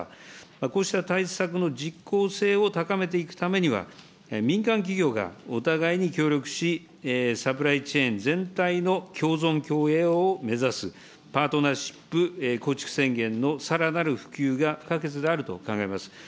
こうした対策の実効性を高めていくためには、民間企業がお互いに協力し、サプライチェーン全体の共存共栄を目指す、パートナーシップ構築宣言のさらなる普及が不可欠であると考えます。